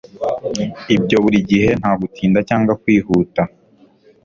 Ibyo burigihe nta gutinda cyangwa kwihuta